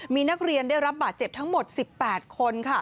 มีนักเรียนได้รับบาดเจ็บทั้งหมด๑๘คน